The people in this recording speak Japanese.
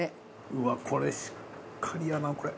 うわこれしっかりやなこれ。